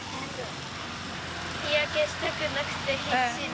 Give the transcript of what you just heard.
日焼けしたくなくて必死に。